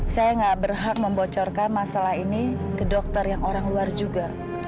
saya gak berhak membocorkan masalah ini ke dokter yang orang luar juga